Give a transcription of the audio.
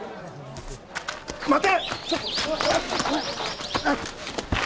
待て！